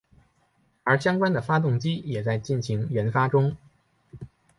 而相关的发动机也进行研发中。